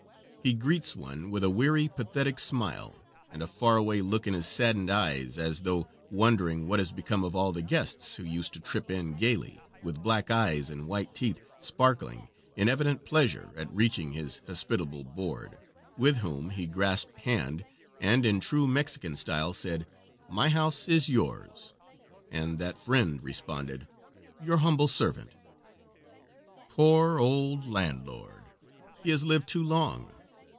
He greets one with a weary, pathetic smile, and a far away look in his saddened eyes, as though wondering what has become of all the guests who used to trip in gayly, with black eyes and white teeth sparkling in evident pleasure at reaching his hospitable board, with whom he grasped hand, and in true Mexican style said, "My house is yours," and that friend responded, "Your humble servant." Poor old landlord, he has lived too long!